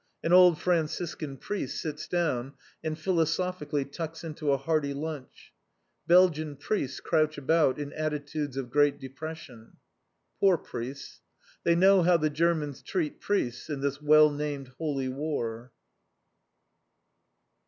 An old Franciscan priest sits down, and philosophically tucks into a hearty lunch. Belgian priests crouch about in attitudes of great depression. Poor priests! They know how the Germans treat priests in this well named "Holy War!"